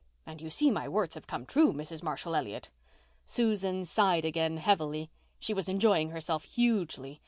And you see my words have come true, Mrs. Marshall Elliott." Susan sighed again heavily. She was enjoying herself hugely.